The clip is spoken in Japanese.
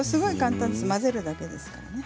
混ぜるだけですから。